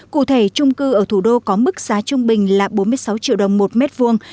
cụ thể trung cư ở thủ đô có mức giá trung bình là bốn mươi sáu triệu đồng một mét vuông